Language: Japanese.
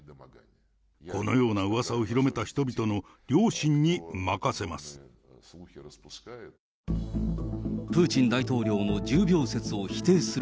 このようなうわさを広めた人々の良心に任せます。